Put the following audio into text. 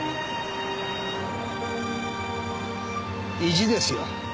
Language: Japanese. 意地ですよ